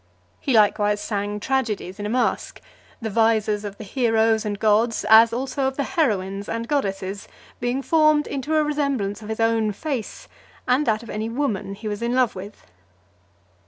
He likewise sang tragedies in a mask; the visors of the heroes and gods, as also of the heroines and goddesses, being formed into a resemblance of his own face, and that of any woman he was in love with.